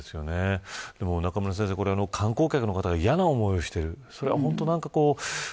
中村先生、観光客の方が嫌な思いをしている。